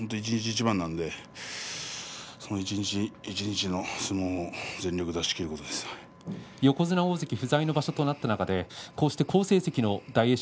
一日一番なのでその一日一日の相撲を横綱、大関不在の場所となった中でこうして好成績の大栄翔